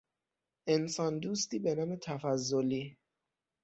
انسان دوستی بنام تفضلی